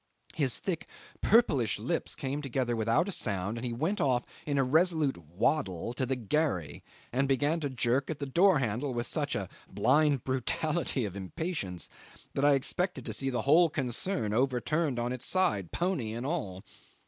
His thick, purplish lips came together without a sound, he went off in a resolute waddle to the gharry and began to jerk at the door handle with such a blind brutality of impatience that I expected to see the whole concern overturned on its side, pony and all.